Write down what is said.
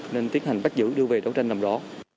nên tiến hành bắt giữ đưa về đấu tranh làm rõ